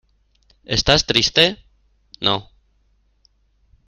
¿ estás triste? no.